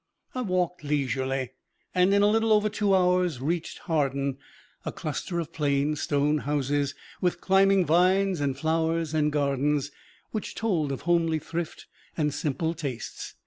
I walked leisurely, and in a little over two hours reached Hawarden a cluster of plain stone houses with climbing vines and flowers and gardens, which told of homely thrift and simple tastes.